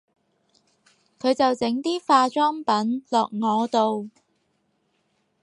佢就整啲化妝品落我度